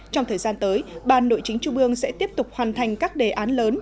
trong thời gian tới ban nội chính trung ương sẽ tiếp tục hoàn thành các đề án lớn